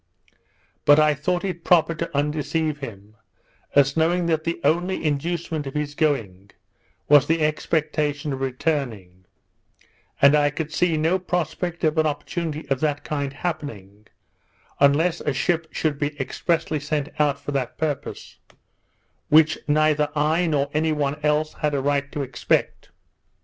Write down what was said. But I thought proper to undeceive him, as knowing that the only inducement to his going, was the expectation of returning, and I could see no prospect of an opportunity of that kind happening, unless a ship should be expressly sent out for that purpose; which neither I, nor anyone else, had a right to expect.